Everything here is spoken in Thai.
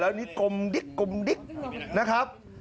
แล้วนี่กมดิ๊กนะครับ